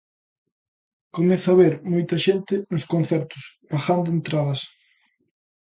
Comezo a ver a moita xente nos concertos, pagando entradas.